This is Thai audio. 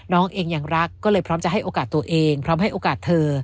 น้องเองยังรักก็เลยพร้อมจะให้โอกาสตัวเองพร้อมให้โอกาสเธอ